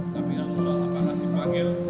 tapi kalau soal apaan dipanggil